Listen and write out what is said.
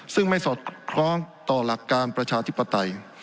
ซึ่งไม่สอดคล้องต่อหลักการประชาธิปไตย